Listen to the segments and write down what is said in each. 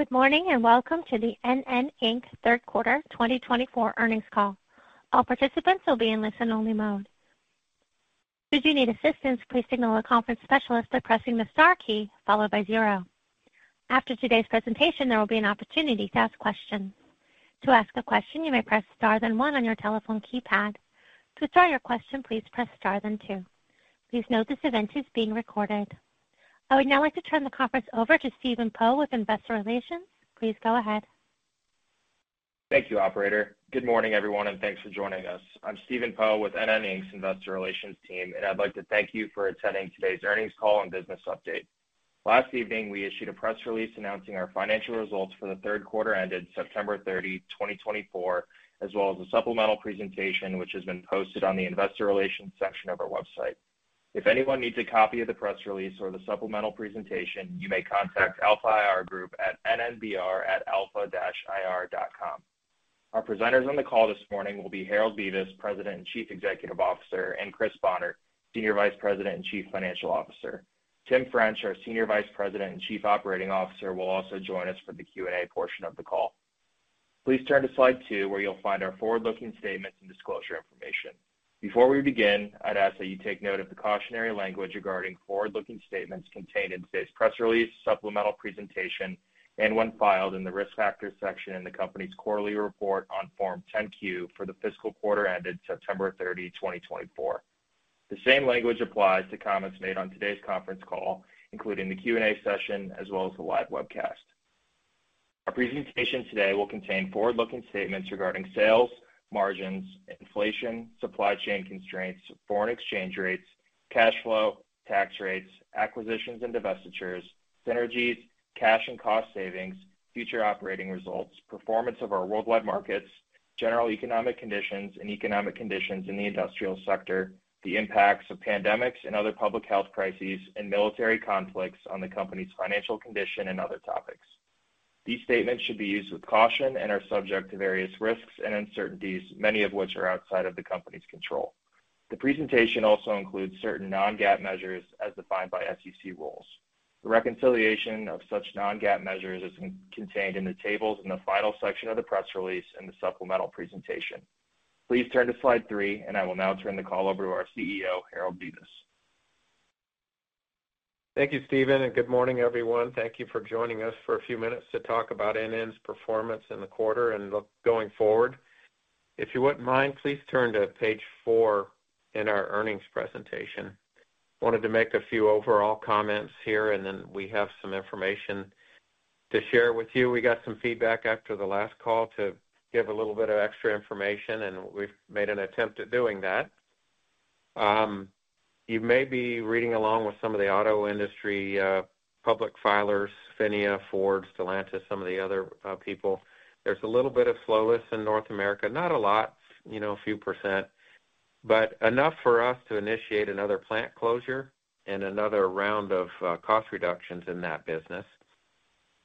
Good morning and welcome to the NN, Inc. Third Quarter 2024 Earnings Call. All participants will be in listen only mode. Should you need assistance, please signal a conference specialist by pressing the star key followed by zero. After today's presentation, there will be an opportunity to ask questions. To ask a question, you may press star then one on your telephone keypad. To start your question, please press star then two. Please note this event is being recorded. I would now like to turn the conference over to Stephen Poe with Investor Relations. Please go ahead. Thank you, Operator. Good morning, everyone, and thanks for joining us. I'm Stephen Poe with NN Inc.'s Investor Relations team, and I'd like to thank you for attending today's earnings call and business update. Last evening, we issued a press release announcing our financial results for the Q3 ended September 30, 2024, as well as a supplemental presentation which has been posted on the Investor Relations section of our website. If anyone needs a copy of the press release or the supplemental presentation, you may contact Alpha IR Group at nnbr@alpha-ir.com. Our presenters on the call this morning will be Harold Bevis, President and Chief Executive Officer, and Chris Bohnert, Senior Vice President and Chief Financial Officer. Tim French, our Senior Vice President and Chief Operating Officer, will also join us for the Q&A portion of the call. Please turn to slide two where you'll find our forward-looking statements and disclosure information. Before we begin, I'd ask that you take note of the cautionary language regarding forward-looking statements contained in today's press release, supplemental presentation, and when filed in the Risk Factors section in the Company's Quarterly Report on Form 10-Q for the fiscal quarter ended September 30, 2024. The same language applies to comments made on today's conference call, including the Q&A session as well as the live webcast. Our presentation today will contain forward-looking statements regarding sales margins, inflation, supply chain constraints, foreign exchange rates, cash flow, tax rates, acquisitions and divestitures, synergies, cash and cost savings, future operating results, performance of our worldwide markets, general economic conditions and economic conditions in the industrial sector, the impacts of pandemics and other public health crises and military conflicts on the Company's financial condition and other topics. These statements should be used with caution and are subject to various risks and uncertainties, many of which are outside of the company's control. The presentation also includes certain non-GAAP measures as defined by SEC rules. The reconciliation of such non-GAAP measures is contained in the tables in the final section of the press release and the supplemental presentation. Please turn to Slide three, and I will now turn the call over to our CEO, Harold Bevis. Thank you, Stephen, and good morning, everyone. Thank you for joining us for a few minutes to talk about NN's performance in the quarter and going forward. If you wouldn't mind, please turn to page four in our earnings presentation. Wanted to make a few overall comments here and then we have some information to share with you. We got some feedback after the last call to give a little bit of extra information and we've made an attempt at doing that. You may be reading along with some of the auto industry public filers, PHINIA, Ford, Stellantis, some of the other people. There's a little bit of slowness in North America, not a lot, you know, a few percent, but enough for us to initiate another plant closure and another round of cost reductions in that business.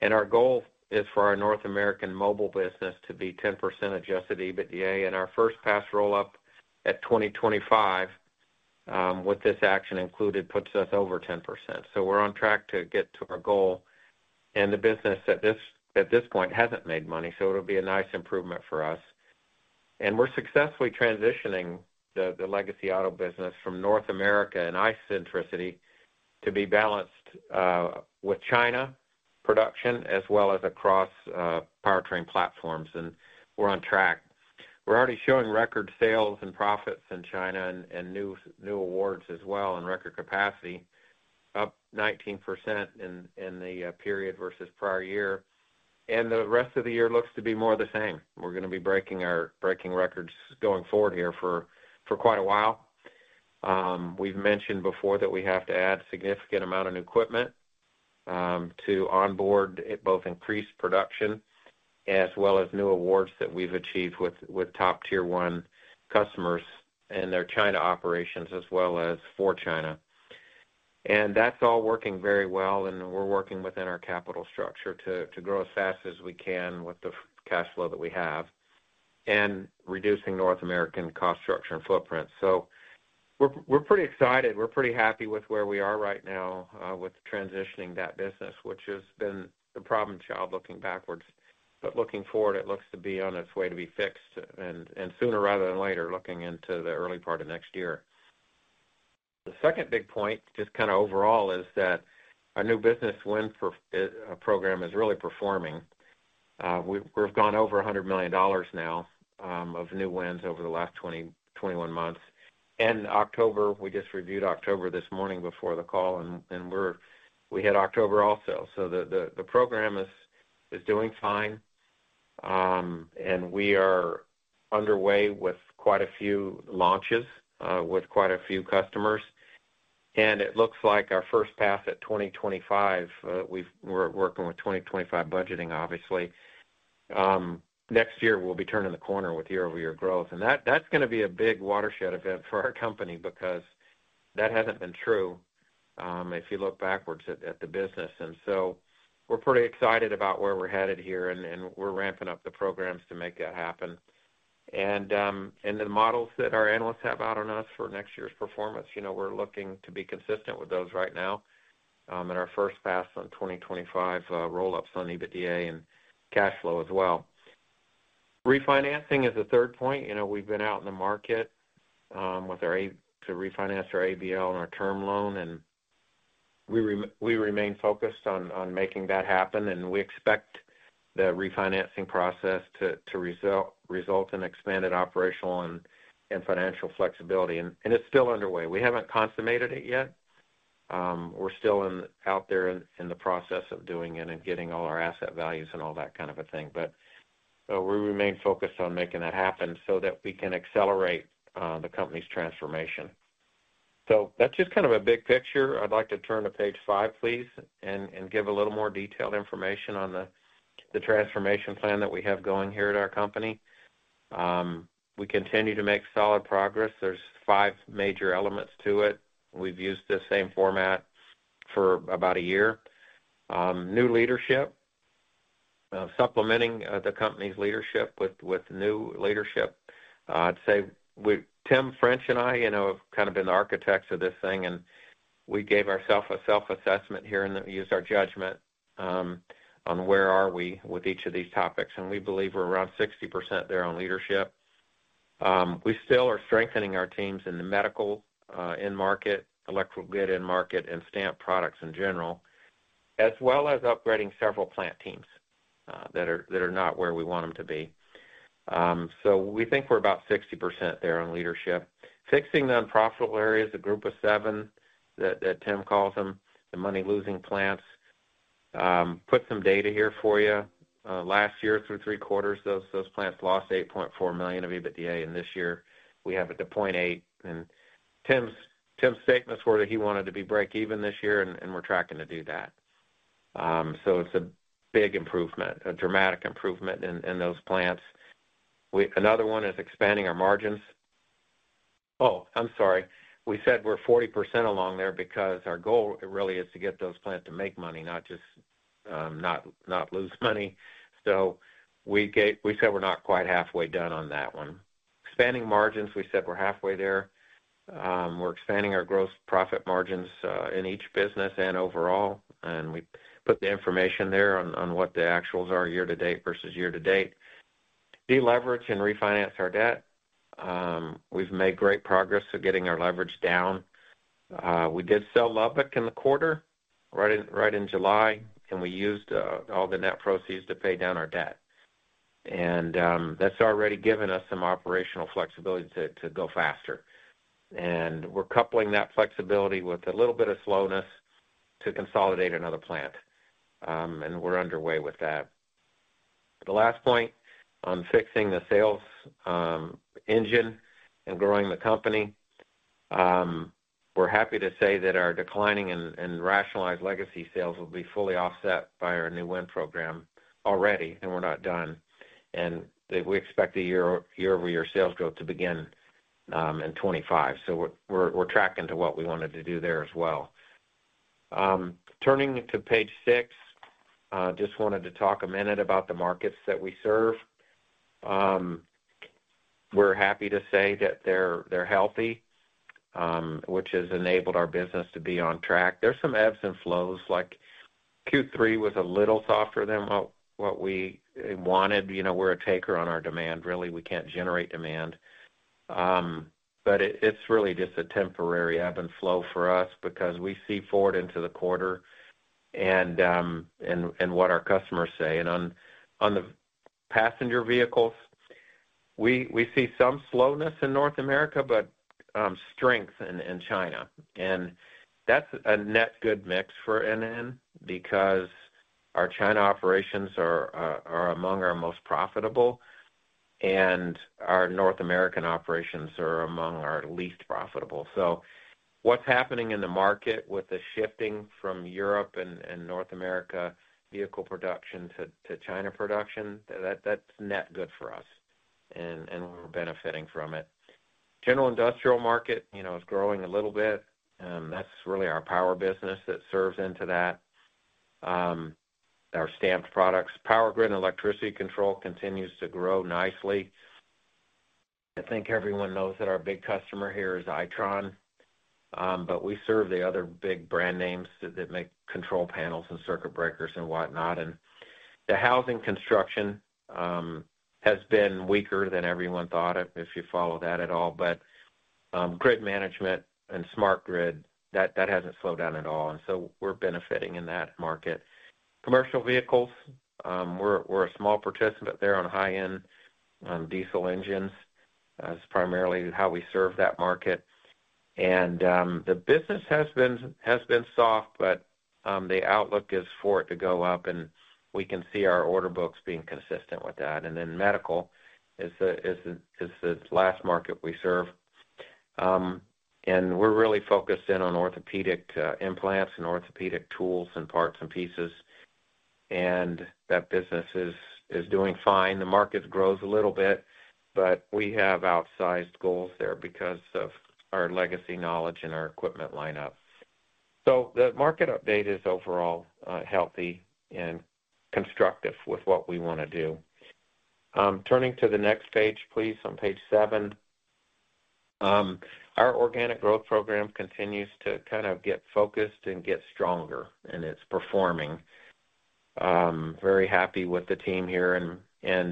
And our goal is for our North American mobile business to be 10% adjusted EBITDA and our first pass roll up at 2025 with this action included puts us over 10%. So we're on track to get to our goal and the business at this point hasn't made money so it'll be a nice improvement for us. We're successfully transitioning the legacy auto business from North America and ICE-centricity to be balanced with China production as well as across powertrain platforms and on track. We're already showing record sales and profits in China and new awards as well and record capacity up 19% in the period versus prior year and the rest of the year looks to be more the same. We're going to be breaking records going forward here for quite a while. We've mentioned before that we have to add significant amount of new equipment to onboard both increased production as well as new awards that we've achieved with top Tier 1 customers and their China operations as well as for China, and that's all working very well and we're working within our capital structure to grow as fast as we can with the cash flow that we have and reducing North American cost structure and footprint, so we're pretty excited, we're pretty happy with where we are right now with transitioning that business, which is been the problem child looking backwards, but looking forward it looks to be on its way to be fixed and sooner rather than later looking into the early part of next year. The second big point just kind of overall is that our new business wins program is really performing. We've gone over $100 million now of new wins over the last 21 months, and October we just reviewed October this morning before the call and we're. We hit October also. The program is doing fine and we are underway with quite a few launches with quite a few customers. It looks like our first pass at 2025. We're working with 2025 budgeting. Obviously next year we'll be turning the corner with year-over-year growth and that's going to be a big watershed event for our company because that hasn't been true if you look backwards at the business. We're pretty excited about where we're headed here and we're ramping up the programs to make that happen. The models that our analysts have out on us for next year's performance, you know, we're looking to be consistent with those right now in our first pass on 2025 roll ups on EBITDA and cash flow as well. Refinancing is the third point. You know, we've been out in the market to refinance our ABL and our term loan and we remain focused on making that happen. We expect the refinancing process to result in expanded operational and financial flexibility. It's still underway. We haven't consummated it yet. We're still out there in the process of doing it and getting all our asset values and all that kind of a thing. We remain focused on making that happen so that we can accelerate the company's transformation. That's just kind of a big picture. I'd like to turn to page five please and give a little more detailed information on the transformation plan that we have going here at our company. We continue to make solid progress. There's five major elements to it. We've used the same format for about a year. New leadership, supplementing the company's leadership with new leadership. I'd say Tim French and I have kind of been the architects of this thing and we gave ourselves a self-assessment here and used our judgment on where are we with each of these topics, and we believe we're around 60% there on leadership. We still are strengthening our teams in the medical end-market, electrical grid end-market and stamped products in general, as well as upgrading several plant teams that are not where we want them to be. So we think we're about 60% there on leadership. Fixing the unprofitable areas. A Group of Seven that Tim calls them the money-losing plants. Put some data here for you. Last year through three quarters those plants lost $8.4 million of EBITDA. In this year we have it to $0.8. And Tim's statements were that he wanted to be break-even this year and we're tracking to do that. So it's a big improvement, a dramatic improvement in those plants. Another one is expanding our margins. Oh, I'm sorry. We said we're 40% along there because our goal really is to get those plants to make money, not just not lose money. We said we're not quite halfway done on that one. Expanding margins. We said we're halfway there. We're expanding our gross profit margins in each business and overall. And we put the information there on what the actuals are year to date versus year to date. Deleverage and refinance our debt. We've made great progress in getting our leverage down. We did sell Lubbock in the quarter, right in July, and we used all the net proceeds to pay down our debt. And that's already given us some operational flexibility to go faster. And we're coupling that flexibility with a little bit of slowness to consolidate another plant. And we're underway with that. The last point on fixing the sales engine and growing the company, we're happy to say that our declining and rationalized legacy sales will be fully offset by our new win program already. And we're not done. And we expect the year-over-year sales growth to begin in 2025. So we're tracking to what we wanted to do there as well. Turning to page six, just wanted to talk a minute about the markets that we serve. We're happy to say that they're healthy which has enabled our business to be on track. There's some ebbs and flows like Q3 was a little softer than what we wanted. We're a taker on our demand really. We can't generate demand, but it's really just a temporary ebb and flow for us because we see forward into the quarter and what our customers say and on the passenger vehicles we see some slowness in North America, but strength in China, and that's a net good mix for NN because our China operations are among our most profitable and our North American operations are among our least profitable. So what's happening in the market with the shifting from Europe and North America vehicle production to China production. That's net good for us and we're benefiting from it. General industrial market is growing a little bit. That's really our power business that serves into that. Our stamped products, power grid and electricity control continues to grow nicely. I think everyone knows that our big customer here is Itron, but we serve the other big brand names that make control panels and circuit breakers and whatnot, and the housing construction has been weaker than everyone thought, if you follow that at all, but grid management and smart grid, that hasn't slowed down at all, and so we're benefiting in that market. Commercial vehicles, we're a small participant there on high end diesel engines, primarily how we serve that market, and the business has been soft, but the outlook is for it to go up and we can see our order books being consistent with that. And then medical is the last market we serve, and we're really focused in on orthopedic implants and orthopedic tools and parts and pieces. And that business is doing fine. The market grows a little bit, but we have outsized goals there because of our legacy knowledge and our equipment lineup. So the market update is overall healthy and constructive with what we want to do. Turning to the next page, please, on page seven. Our organic growth program continues to kind of get focused and get stronger and it's performing very happy with the team here and,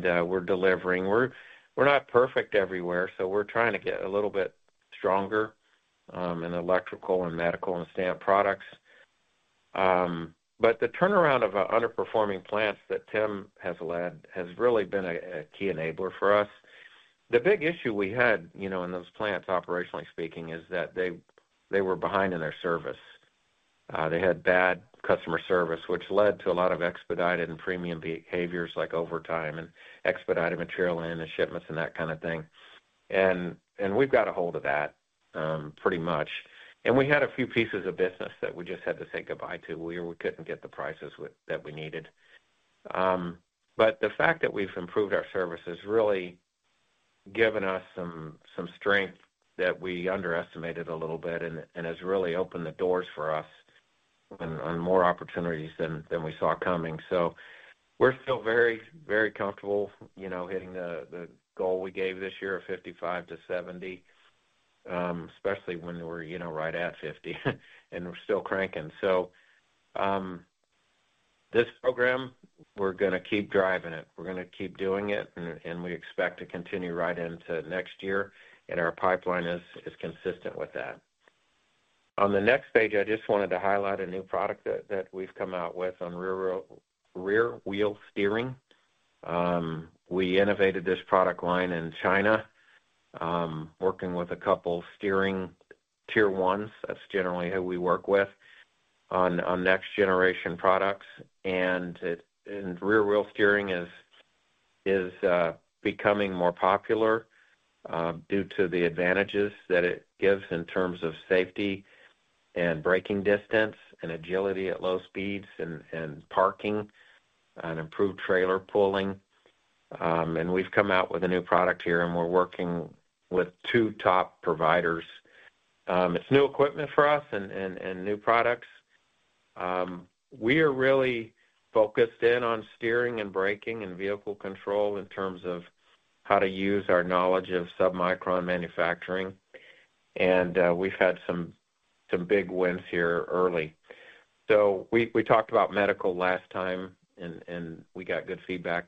and we're delivering. We're not perfect everywhere. So we're trying to get a little bit stronger in electrical and medical and stamp products. But the turnaround of underperforming plants that Tim has led has really been a key enabler for us. The big issue we had in those plants, operationally speaking, is that they were behind in their service. They had bad customer service which led to a lot of expedited and premium behaviors like overtime and expedited material in and shipments and that kind of thing, and we've got a hold of that pretty much, and we had a few pieces of business that we just had to say goodbye to where we couldn't get the prices that we needed, but the fact that we've improved our services really given us some strength that we underestimated a little bit and has really opened the doors for us on more opportunities than we saw coming, so we're still very, very comfortable, you know, hitting the goal we gave this year of 55 to 70, especially when we're, you know, right at 50 and we're still cranking. This program, we're going to keep driving it, we're going to keep doing it and we expect to continue right into next year and our pipeline is consistent with that. On the next slide, I just wanted to highlight a new product that we've come out with on rear wheel steering. We innovated this product line in China, working with a couple steering Tier 1s. That's generally who we work with on next generation products. Rear wheel steering is becoming more popular due to the advantages that it gives in terms of safety and braking distance and agility at low speeds and parking and improved trailer pulling. We've come out with a new product here and we're working with two top providers. It's new equipment for us and new products. We are really focused in on steering and braking and vehicle control in terms of how to use our knowledge of sub-micron manufacturing. And we've had some big wins here early. So we talked about medical last time and we got good feedback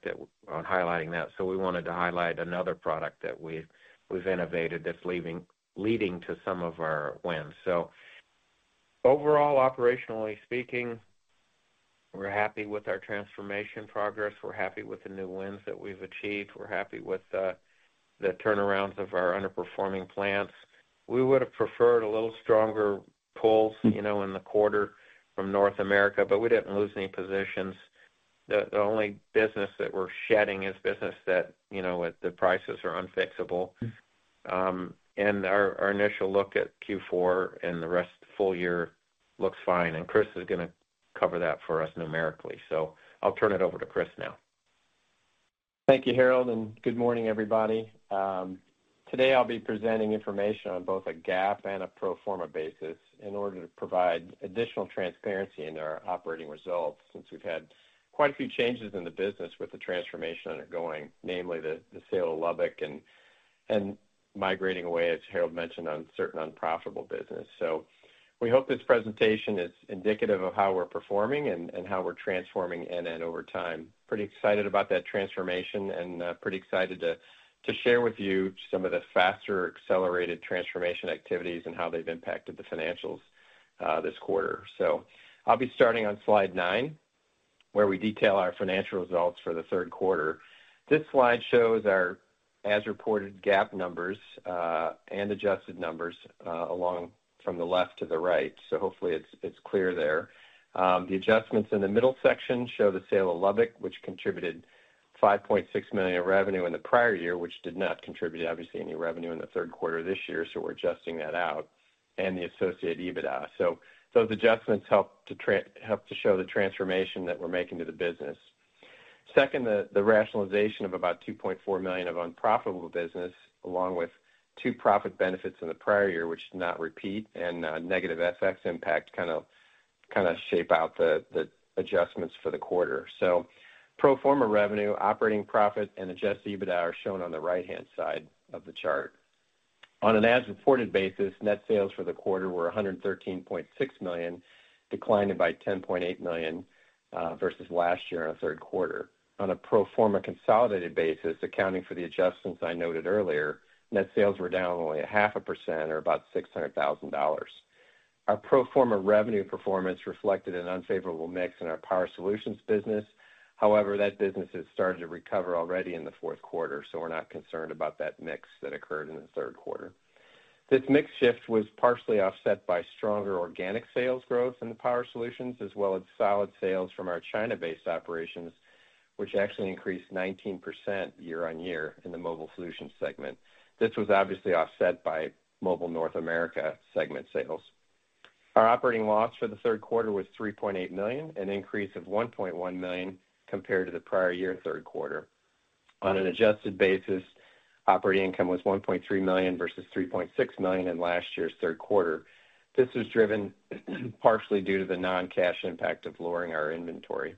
on highlighting that. So we wanted to highlight another product that we've innovated that's leading to some of our wins. So overall, operationally speaking, we're happy with our transformation progress, we're happy with the new wins that we've achieved, we're happy with the turnarounds of our underperforming plants. We would have preferred a little stronger pulls in the quarter from North America, but we didn't lose any positions. The only business that we're shedding is business that the prices are unfixable. And our initial look at Q4 and the rest full year looks fine and Chris is going to cover that for us numerically. So I'll turn it over to Chris now. Thank you, Harold, and good morning, everybody. Today I'll be presenting information on both a GAAP and a pro forma basis in order to provide additional transparency in our operating results since we've had quite a few changes in the business with the transformation undergoing, namely the sale of Lubbock and migrating away as Harold mentioned, on certain unprofitable business. So we hope this presentation is indicative of how we're performing and how we're transforming NN over time. Pretty excited about that transformation and pretty excited to share with you some of the faster accelerated transformation activities and how they've impacted the financials this quarter. So I'll be starting on slide nine where we detail our financial results for Q3. This slide shows our as reported GAAP numbers and adjusted numbers along from the left to the right. So hopefully it's clear there. The adjustments in the middle section show the sale of Lubbock, which contributed $5.6 million revenue in the prior year, which did not contribute obviously any revenue in the Q3 this year. So we're adjusting that out and the associated EBITDA. So those adjustments help to show the transformation that we're making to the business. Second, the rationalization of about $2.4 million of unprofitable business along with two profit benefits in the prior year which did not repeat and negative FX impact kind of shape out the adjustments for the quarter. So pro forma revenue, operating profit and Adjusted EBITDA are shown on the right-hand side of the chart. On an as reported basis, net sales for the quarter were $113.6 million, declining by $10.8 million versus last year in Q3. On a pro forma consolidated basis, accounting for the adjustments I noted earlier, net sales were down only 0.5% or about $600,000. Our pro forma revenue performance reflected an unfavorable mix in our Power Solutions business. However, that business has started to recover already in the Q4, so we're not concerned about that mix that occurred in the Q3. This mix shift was partially offset by stronger organic sales growth in the Power Solutions as well as solid sales from our China based operations which actually increased 19% year-on-year. In the Mobile Solutions segment, this was obviously offset by Mobile North America segment sales. Our operating loss for Q3 was $3.8 million, an increase of $1.1 million compared to the prior year Q3. On an adjusted basis, operating income was $1.3 million versus $3.6 million in last year's Q3. This was driven partially due to the non-cash impact of lowering our inventory.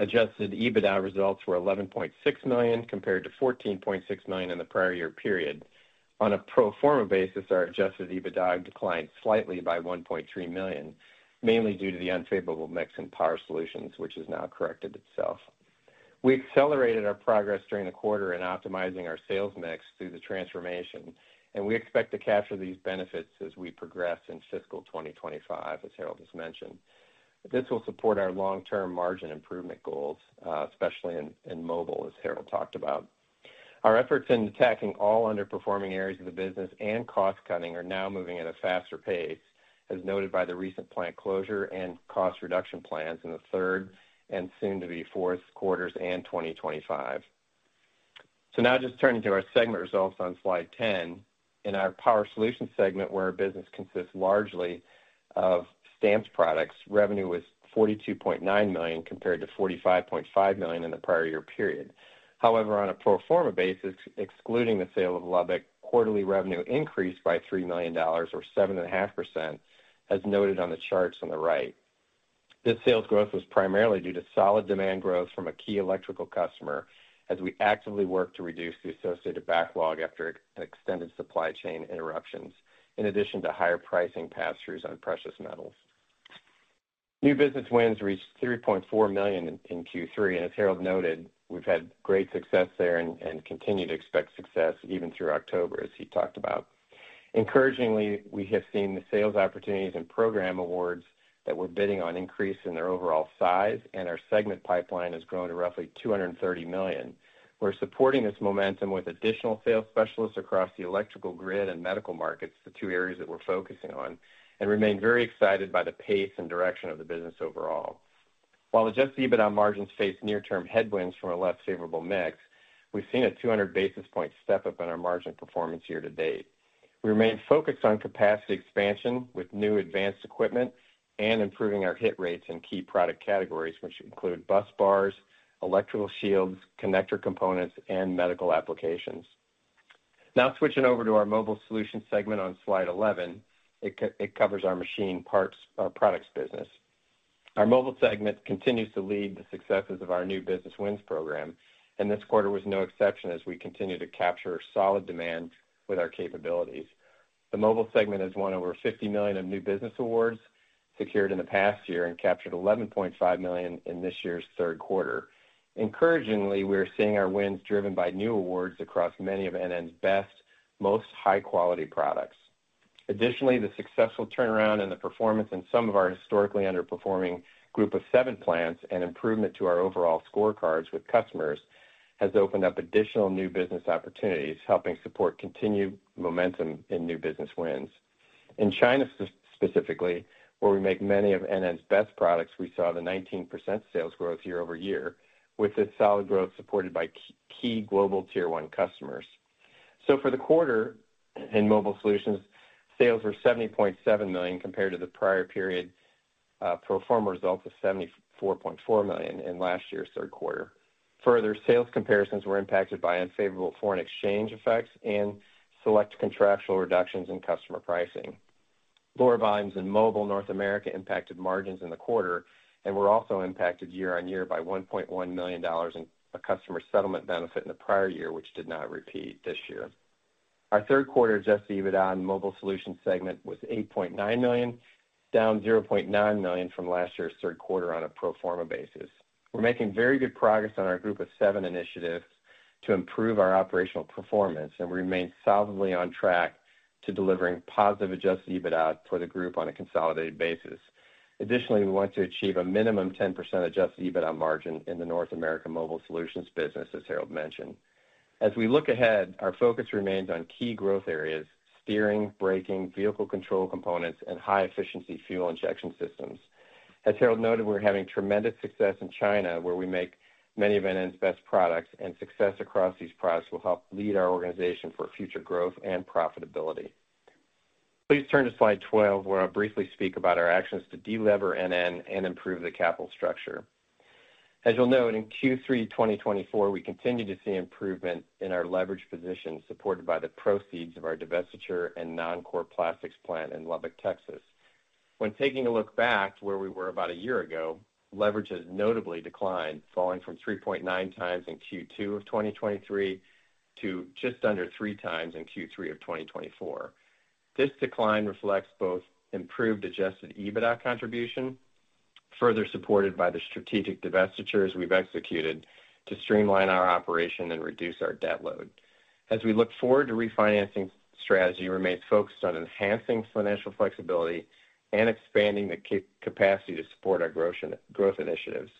Adjusted EBITDA results were $11.6 million compared to $14.6 million in the prior year period. On a pro forma basis, our adjusted EBITDA declined slightly by $1.3 million mainly due to the unfavorable mix in Power Solutions which has now corrected itself. We accelerated our progress during the quarter in optimizing our sales mix through the transformation and we expect to capture these benefits as we progress in fiscal 2025. As Harold has mentioned, this will support our long-term margin improvement goals, especially in mobile. As Harold talked about, our efforts in attacking all underperforming areas of the business and cost cutting are now moving at a faster pace. As noted by the recent plant closure and cost reduction plans in the third and soon-to-be Q4s and 2025. So now just turning to our segment results on slide 10. In our Power Solutions segment where our business consists largely of stamped products, revenue was $42.9 million compared to $45.5 million in the prior year period. However, on a pro forma basis excluding the sale of Lubbock, quarterly revenue increased by $3 million or 7.5%. As noted on the charts on the right, this sales growth was primarily due to solid demand growth from a key electrical customer as we actively work to reduce the associated backlog after extended supply chain interruptions in addition to higher pricing pass-throughs on precious metals. New business wins reached $3.4 million in Q3 and as Harold noted, we've had great success there and continue to expect success even through October as he talked about. Encouragingly, we have seen the sales opportunities and program awards that we're bidding on increase in their overall size and our segment pipeline has grown to roughly $230 million. We're supporting this momentum with additional sales specialists across the electrical grid and medical markets, the two areas that we're focusing on and remain very excited by the pace and direction of the business overall. While adjusted EBITDA margins face near term headwinds from a less favorable mix, we've seen a 200 basis point step up in our margin performance year to date. We remain focused on capacity expansion with new advanced equipment and improving our hit rates in key product categories which include bus bars, electrical shields, connector components and medical applications. Now switching over to our Mobile Solutions segment on Slide 11, it covers our machine parts products business. Our Mobile segment continues to lead the successes of our new business wins program and this quarter was no exception as we continue to capture solid demand with our capabilities. The Mobile segment has won over $50 million of new business awards secured in the past year and captured $11.5 million in this year's Q3. Encouragingly, we are seeing our wins driven by new awards across many of NN's best, most high quality products. Additionally, the successful turnaround and the performance in some of our historically underperforming group of seven plants and improvement to our overall scorecards with customers has opened up additional new business opportunities helping support continued momentum in new business wins. In China, specifically where we make many of NN's best products, we saw 19% sales growth year-over-year with this solid growth supported by key global Tier 1 customers. So for the quarter in Mobile Solutions sales were $70.7 million compared to the prior period pro forma results of $74.4 million in last year's Q3. Further sales comparisons were impacted by unfavorable foreign exchange effects and select contractual reductions in customer pricing. Lower volumes in Mobile North America impacted margins in the quarter and were also impacted year-on-year by $1.1 million in a customer settlement benefit in the prior year which did not repeat this year. Our Q3 adjusted EBITDA in the Mobile Solutions segment was $8.9 million, down $0.9 million from last year's Q3 on a pro forma basis. We're making very good progress on our Group of Seven initiatives to improve our operational performance and we remain solidly on track to delivering positive adjusted EBITDA for the group on a consolidated basis. Additionally, we want to achieve a minimum 10% adjusted EBITDA margin in the North American Mobile Solutions business. As Harold mentioned, as we look ahead, our focus remains on key growth areas steering braking vehicle control components and high efficiency fuel injection systems. As Harold noted, we're having tremendous success in China where we make many of NN's best products and success across these products will help lead our organization for future growth and profitability. Please turn to slide 12 where I'll briefly speak about our actions to deleverage NN and improve the capital structure. As you'll note in Q3 2024, we continue to see improvement in our leverage position supported by the proceeds of our divestiture of non-core plastics plant in Lubbock, Texas. When taking a look back to where we were about a year ago, leverage has notably declined, falling from 3.9x in Q2 of 2023 to just under 3x in Q3 of 2024. This decline reflects both improved Adjusted EBITDA contribution, further supported by the strategic divestitures we've executed to streamline our operation and reduce our debt load. As we look forward to refinancing, strategy remains focused on enhancing financial flexibility and expanding the capacity to support our growth initiatives.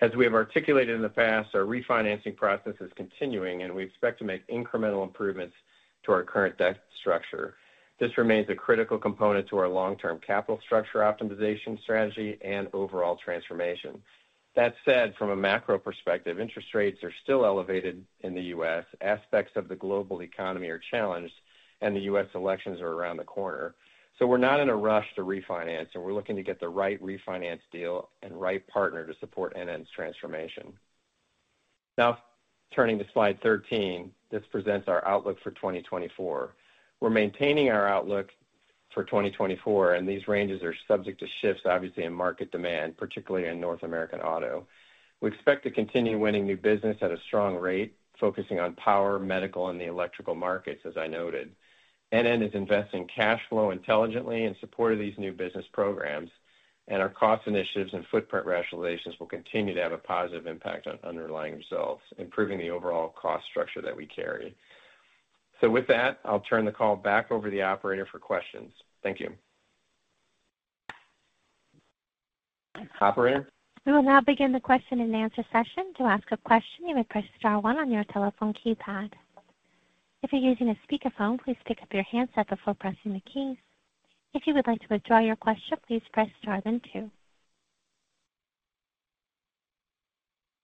As we have articulated in the past. Our refinancing process is continuing and we expect to make incremental improvements to our current debt structure. This remains a critical component to our long term capital structure optimization strategy and overall transformation. That said, from a macro perspective, interest rates are still elevated in the US, aspects of the global economy are challenged and the US elections are around the corner. So we're not in a rush to refinance and we're looking to get the right refinance deal and right partner to support NN's transformation. Now turning to slide 13, this presents our outlook for 2024. We're maintaining our outlook for 2024 and these ranges are subject to shifts obviously in market demand, particularly in North American auto. We expect to continue winning new business at a strong rate, focusing on power, medical and the electrical markets. As I noted, NN is investing cash flow intelligently in support of these new business programs and our cost initiatives and footprint rationalizations will continue to have a positive impact on underlying results and improving the overall cost structure that we carry. So with that I'll turn the call back over to the operator for questions. Thank you. Operator? We will now begin the question and answer session. To ask a question, you may press star one on your telephone keypad. If you're using a speakerphone, please pick up your handset before pressing the keys. If you would like to withdraw your question, please press star then two.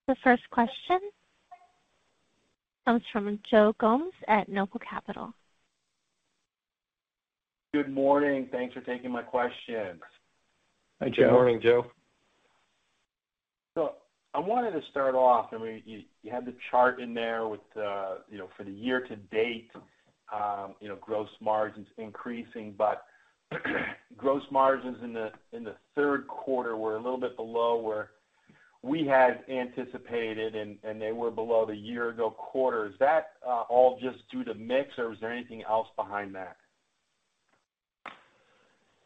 The first question comes from Joe Gomes at Noble Capital Markets. Good morning. Thanks for taking my question. Hi, Joe. Good morning, Joe. So I wanted to start off, you had the chart in there with for the year to date, gross margins increasing. But gross margins in the Q3 were a little bit below where we had anticipated and they were below the year ago quarter. Is that all just due to mix or is there anything else behind that?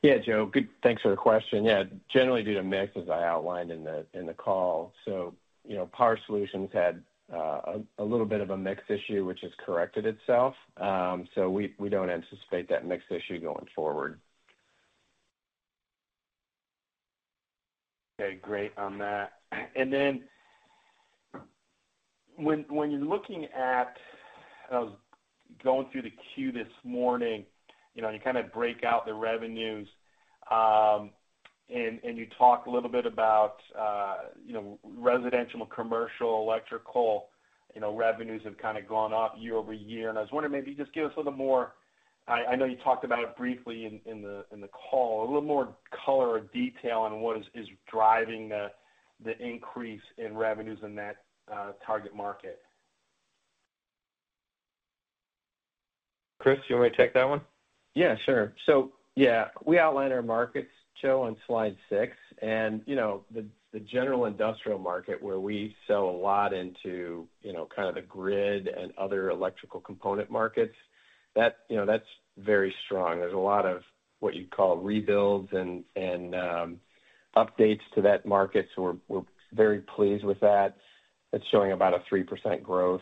Yeah, Joe, thanks for the question. Yeah, generally due to mix, as I outlined in the call. So, you know, Power Solutions had a little bit of a mix issue which has corrected itself. So we don't anticipate that mix issue going forward. Okay, great on that. And then when you're looking at, I was going through the Q this morning, you kind of break out the revenues and you talked a little bit about residential and commercial electrical revenues have kind of gone up year-over-year. I was wondering maybe just give us a little more. I know you talked about it briefly in the call, a little more color or detail on what is driving the increase in revenues in that target market? Chris, you want take that one? Yeah, sure. So, yeah, we outline our markets, Joe, on slide six and the general industrial market where we sell a lot into kind of the grid and other electrical component markets that, you know, that's very strong. There's a lot of what you'd call rebuilds and updates to that market. So we're very pleased with that. It's showing about a 3% growth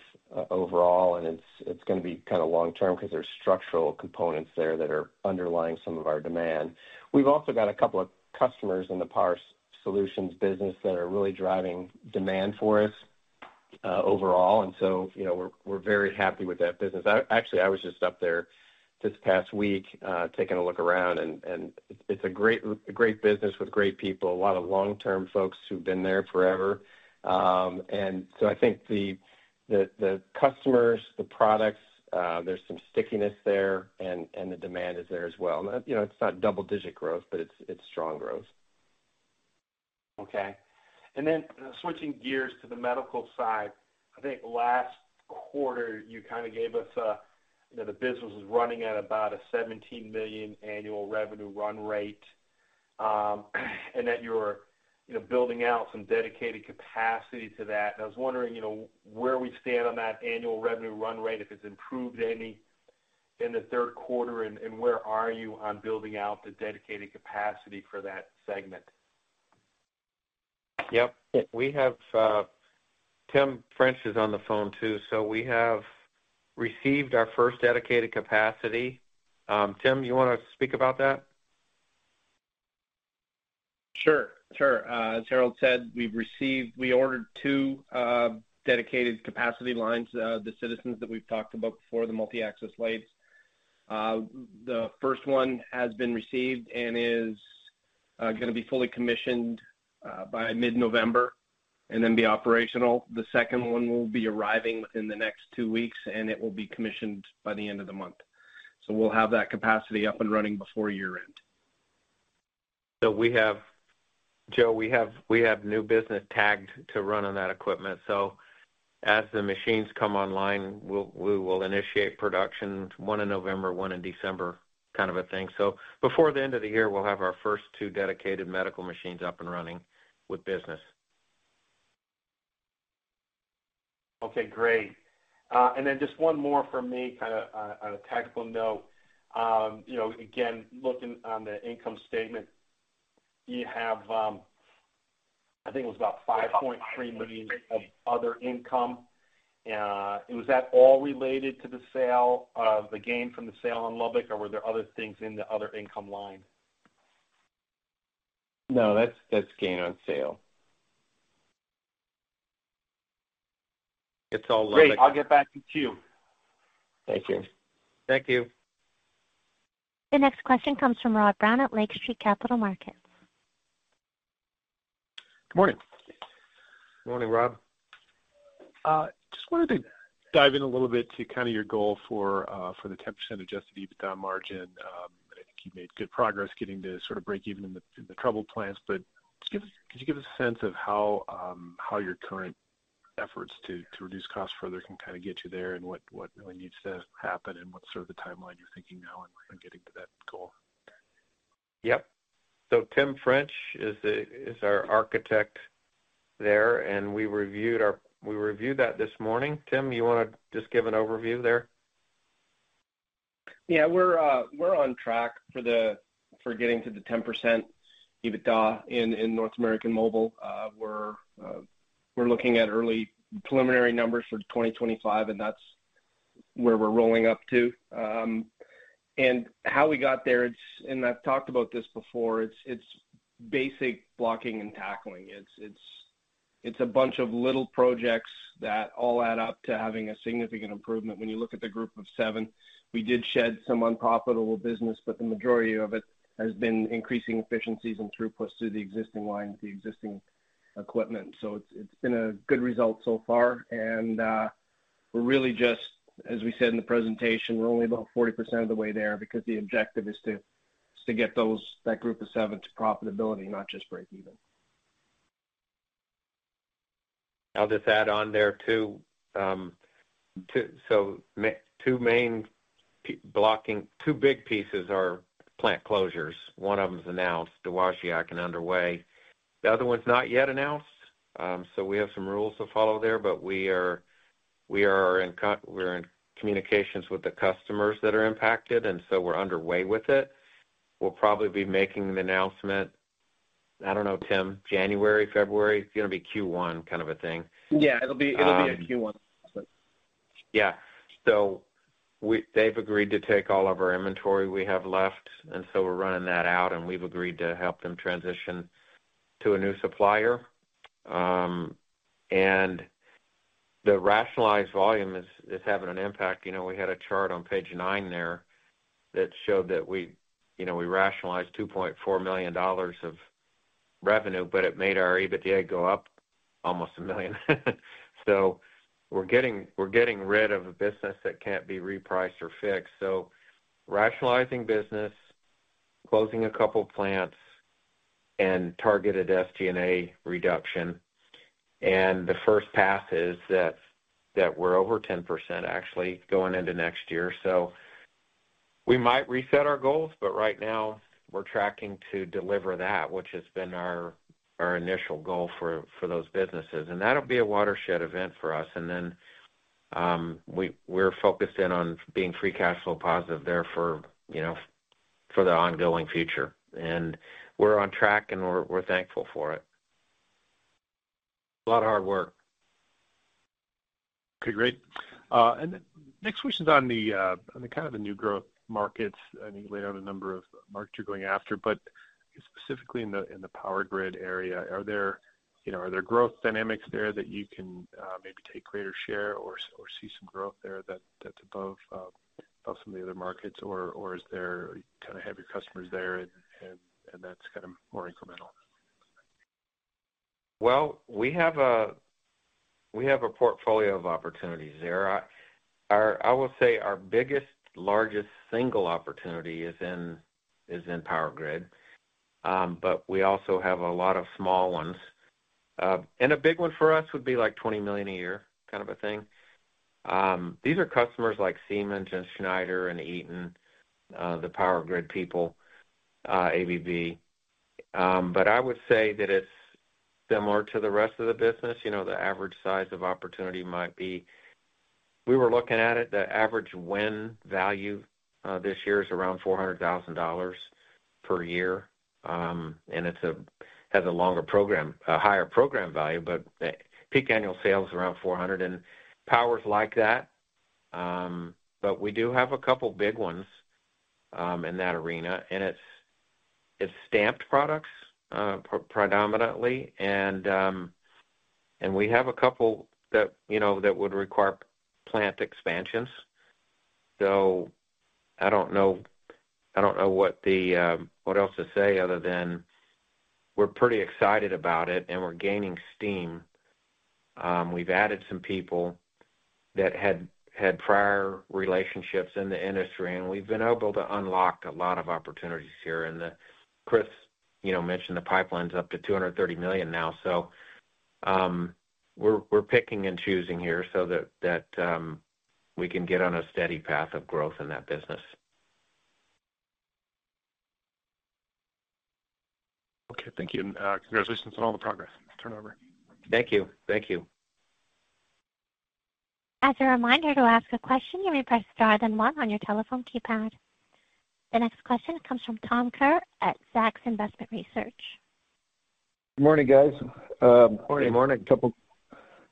overall. And it's going to be kind of long-term because there's structural components there that are underlying some of our demand. We've also got a couple of customers in the Power Solutions business that are really driving demand for us overall. And so, you know, we're very happy with that business. Actually, I was just up there this past week taking a look around and it's a great, great business with great people, a lot of long term folks who've been there forever. And so I think the customers, the products, there's some stickiness there and the demand is there as well. You know, it's not double-digit growth, but it's strong growth. Okay. And then switching gears to the medical side, I think last quarter you kind of gave us the business is running at about a $17 million annual revenue run rate and that you're building out some dedicated capacity to that. And I was wondering where we stand on that annual revenue run rate, if it's improved any in the Q3. And where are you on building out the dedicated capacity for that segment? Yep, we have. Tim French is on the phone too. So we have received our first dedicated capacity. Tim, you want to speak about that? Sure, sure. As Harold said, we've received, we ordered two dedicated capacity lines, the Citizens that we've talked about before, the multi-axis lathes. The first one has been received and is going to be fully commissioned by mid-November and then be operational. The second one will be arriving within the next two weeks and it will be commissioned by the end of the month. So we'll have that capacity up and running before year-end. So we have, Joe, we have new business tagged to run on that equipment. So as the machines come online, we will initiate production one in November, one in December kind of a thing. So before the end of the year we'll have our first two dedicated medical machines up and running with business. Okay, great. And then just one more for me. Kind of on a technical note, you know, again, looking on the income statement you have, I think it was about $5.3 million of other income. Was that all related to the gain from the sale of Lubbock or were there other things in the other income line? No, that's gain on sale. It's all sale. I'll get back to queue. Thank you. Thank you. The next question comes from Rob Brown at Lake Street Capital Markets. Good morning. Good morning, Rob. Just wanted to dive in a little bit to kind of your goal for the 10% Adjusted EBITDA margin. I think you've made good progress getting to sort of break even in the troubled plants. But could you give us a sense of how your current efforts to reduce costs further can kind of get you there and what really needs to happen and what's sort of the timeline you're thinking now and getting to that goal? Yep. So Tim French is our architect there and we reviewed that this morning. Tim, you want to just give an overview there? Yeah, we're on track for getting to the 10% EBITDA in North American mobile. We're looking at early preliminary numbers for 2025 and that's where we're rolling up to and how we got there. I've talked about this before; it's basic blocking and tackling. It's a bunch of little projects that all add up to having a significant improvement. When you look at the Group of Seven, we did shed unprofitable business but the majority of it has been increasing efficiencies and throughputs to the existing line, the existing equipment. So it's been a good result so far. We're really just, as we said in the presentation, only about 40% of the way there because the objective is to get that Group of Seven to profitability, not just break even. I'll just add on there too. So two main blocking, two big pieces are plant closures. One of them is announced, Dowagiac and underway. The other one's not yet announced. So we have some rules to follow there. But we're in communications with the customers that are impacted, and so we're underway with it. We'll probably be making the announcement. I don't know, Tim. January, February, it's going to be Q1 kind of a thing. Yeah, it'll be a Q1. Yeah. So we, they've agreed to take all of our inventory we have left and so we're running that out and we've agreed to help them transition to a new supplier. And the rationalized volume is having an impact. You know, we had a chart on page nine there that showed that we, you know, we rationalized $2.4 million of revenue, but it made our EBITDA go up almost a million. So we're getting rid of a business that can't be repriced or fixed. So rationalizing business closing a couple plants and targeted SG&A reduction. And the first pass is that we're over 10% actually going into next year so we might reset our goals. But right now we're tracking to deliver that which has been our initial goal for those businesses and that'll be a watershed event for us. Then we're focused in on being free cash flow positive there for, you know, for the ongoing future. And we're on track and we're thankful for it. A lot of hard work. Okay, great. And next question is on the kind of the new growth markets. And you laid out a number of markets you're going after, but specifically in the power grid area. Are there, you know, are there growth dynamics there that you can maybe take greater share or see some growth there that's above some of the other markets or is there kind of heavy customers there and that's kind of more incremental? We have a portfolio of opportunities there. Our, I will say our biggest, largest single opportunity is in power grid but we also have a lot of small ones and a big one for us would be like $20 million a year kind of a thing. These are customers like Siemens and Schneider and Eaton, the power grid people. ABB. But I would say that it's similar to the rest of the business. You know, the average size of opportunity might be, we were looking at it. The average win value this year is around $400,000 per year. And it has a longer program, a higher program value, but peak annual sales around $400K or powers like that. But we do have a couple big ones in that arena and it's stamped products predominantly and we have a couple that, you know, that would require plant expansions. So I don't know what else to say other than we're pretty excited about it and we're gaining steam. We've added some people that had prior relationships in the industry and we've been able to unlock a lot of opportunities here, and Chris mentioned the pipeline is up to $230 million now. So we're picking and choosing here so that we can get on a steady path of growth in that business. Okay, thank you. Congratulations on all the progress. Turn it over. Thank you. Thank you. As a reminder to ask a question, you may press star then one on your telephone keypad. The next question comes from Tom Kerr at Zacks Investment Research. Good morning guys. Good morning.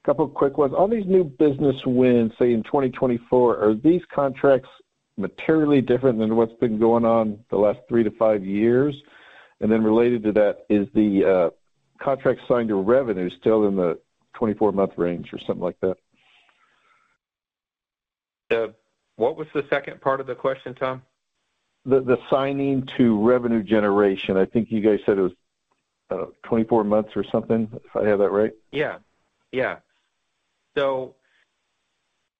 Couple quick ones. All these new business wins, say in 2024, are these contracts materially different than what's been going on the last three to five years? And then related to that, is the contract signed to revenue still in the 24-month range or something like that? What was the second part of the question, Tom? The signing to revenue generation. I think you guys said it was 24 months or something if I have that right. Yeah, yeah. So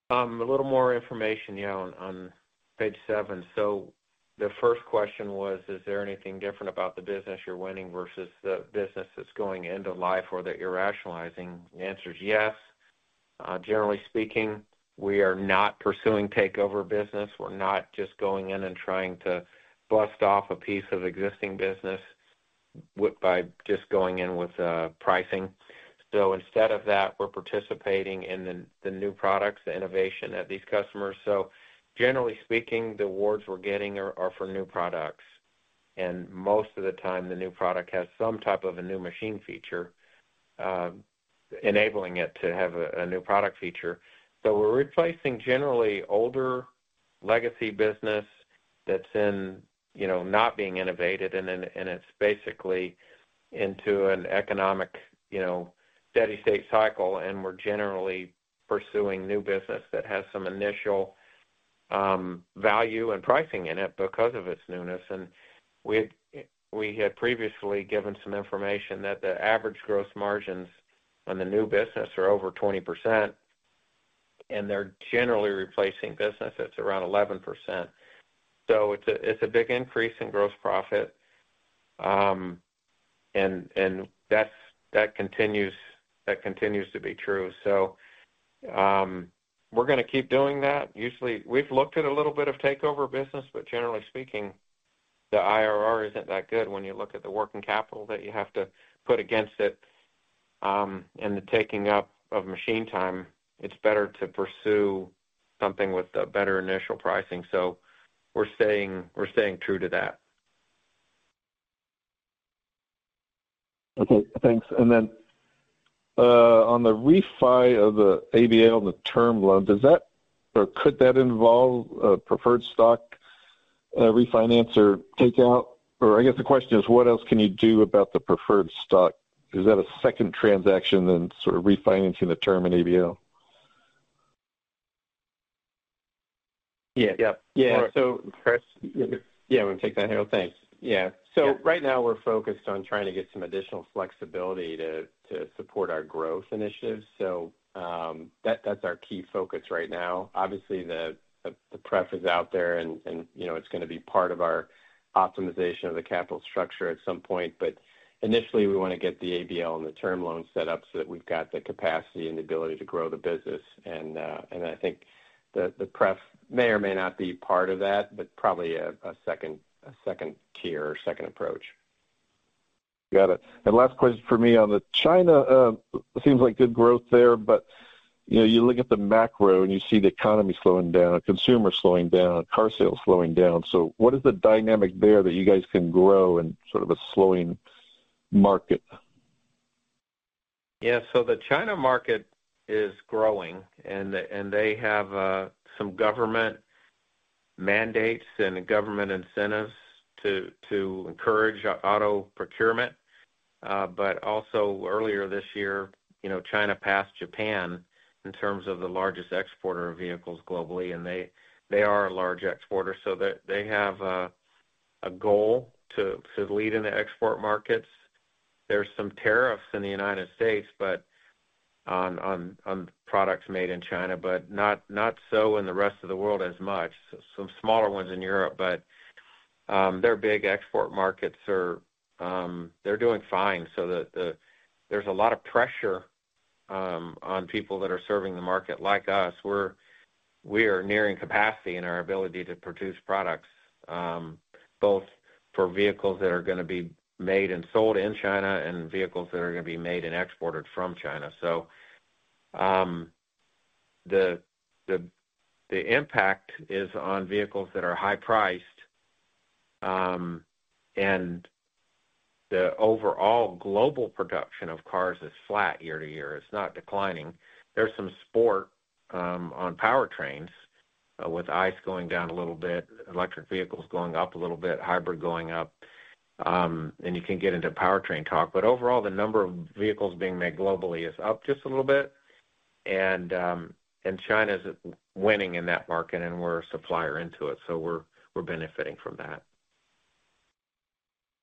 a little more information on page seven. So the first question was is there anything different about the business you're winning versus the business that's going offline or that you're rationalizing? The answer is yes. Generally speaking we are not pursuing takeover business. We're not just going in and trying to bust off a piece of existing business by just going in with pricing. So instead of that we're participating in the new products, the innovation at these customers. So generally speaking the awards we're getting are for new products and most of the time the new product has some type of a new machining feature enabling it to have a new product feature. So we're replacing generally older legacy business that's in, you know, not being innovated and it's basically in an economic, you know, steady state cycle. And we're generally pursuing new business that has some initial value and pricing in it because of its newness. And we had previously given some information that the average gross margins on the new business are over 20% and they're generally replacing business, it's around 11%. So it's a big increase in gross profit. And that continues to be true. So we're going to keep doing that. Usually we've looked at a little bit of takeover business, but generally speaking, the IRR isn't that good. When you look at the working capital that you have to put against it and the taking up of machine time, it's better to pursue something with better initial pricing. So we're staying true to that. Okay, thanks. And then on the refi of the ABL, on the term loan, does that, or could that involve a preferred stock refinance or takeout or? I guess the question is what else can you do about the preferred stock? Is that a second transaction than sort of refinancing the term in ABL? Yeah. Yep. Yeah. So, Chris. Yeah, I'm gonna take that, Harold. Thanks. Yeah. So right now we're focused on trying to get some additional flexibility to support our growth initiatives. So that's our key focus right now. Obviously the pref is out there and you know, it's going to be part of our optimization of the capital structure at some point. But initially we want to get the ABL and the term loan set up so that we've got the capacity and the ability to grow the business. And I think the pref may or may not be part of that, but probably a second tier, second approach. Got it. And last question for me on China seems like good growth there, but you know, you look at the macro and you see the economy slowing down, consumer slowing down, car sales slowing down. So what is the dynamic there that you guys can grow and sort of a slowing market. Yeah. So the China market is growing and they have some government mandates and government incentives to encourage auto procurement. But also earlier this year, you know, China passed Japan in terms of the largest exporter of vehicles globally. And they, they are a large exporter. So they have a goal to lead in the export markets. There's some tariffs in the United States, but on products made in China, but not, not so in the rest of the world, as much, some smaller ones in Europe, but their big export markets are, they're doing fine. So there's a lot of pressure on people that are serving the market like us. We are nearing capacity in our ability to produce products both for vehicles that are going to be made and sold in China and vehicles that are going to be made and exported from China. So the impact is on vehicles that are high-priced. And the overall global production of cars is flat year to year. It's not declining. There's some shift on powertrains with ICE going down a little bit, electric vehicles going up a little bit, hybrid going up. And you can get into powertrain talk. But overall, the number of vehicles being made globally is up just a little bit. And China's winning in that market and we're a supplier into it, so we're benefiting from that.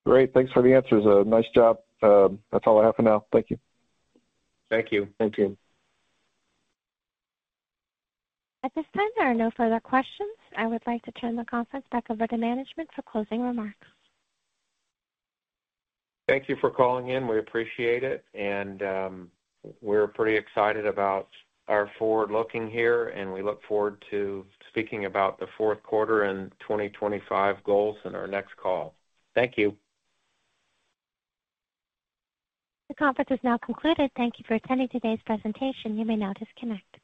Great. Thanks for the answers. Nice job. That's all I have for now. Thank you. Thank you. Thank you. At this time, there are no further questions. I would like to turn the conference back over to management for closing remarks. Thank you for calling in. We appreciate it and we're pretty excited about our forward looking here and we look forward to speaking about the Q4 and 2025 goals in our next call. Thank you. The conference has now concluded. Thank you for attending today's presentation. You may now disconnect.